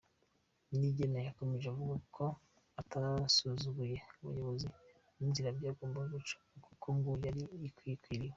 Niyigena yakomeje avuga ko atasuzuguye ubuyobozi n’inzira byagombaga gucamo, kuko ngo yari yakiriwe.